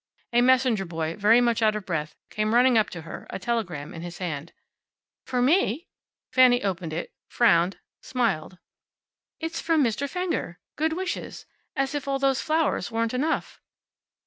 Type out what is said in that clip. A messenger boy, very much out of breath, came running up to her, a telegram in his hand. "For me?" Fanny opened it, frowned, smiled. "It's from Mr. Fenger. Good wishes. As if all those flowers weren't enough."